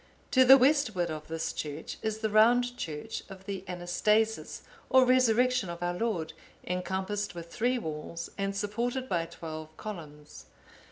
To the westward of this church is the round church of the Anastasis or Resurrection of our Lord, encompassed with three walls, and supported by twelve columns.